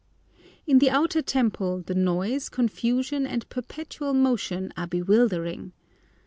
In the outer temple the noise, confusion, and perpetual motion, are bewildering.